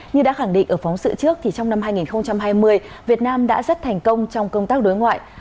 như đã khẳng định ở phóng sự trước thì trong năm hai nghìn hai mươi việt nam đã rất thành công trong công tác đối ngoại